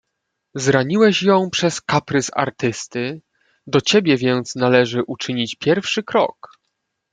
"Zraniłeś ją przez kaprys artysty, do ciebie więc należy uczynić pierwszy krok."